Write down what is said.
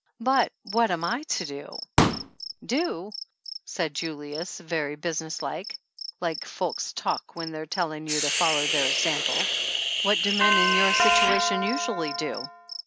"But what am I to do ?" "Do ?" said Julius very businesslike, like folks talk when they're telling you to follow their ex ample. "What do men in your situation usually do?